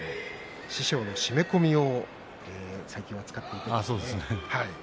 師匠の締め込みを最近は使っていたということです。